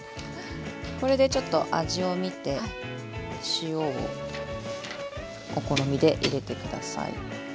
これでちょっと味を見て塩をお好みで入れて下さい。